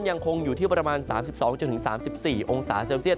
ยังคงอยู่ที่ประมาณ๓๒๓๔องศาเซลเซียต